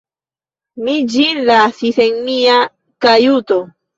Mi ĝin lasis en mia kajuto.